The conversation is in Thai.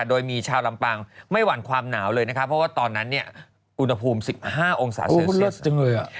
โดยมีชาวลำปางไม่หวั่นความหนาวเลยเพราะว่าตอนนั้นอุณหภูมิ๑๕องศาเซอร์เซ็ต